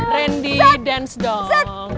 randy dance dong